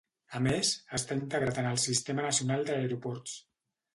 A més, està integrat en el Sistema Nacional d'Aeroports.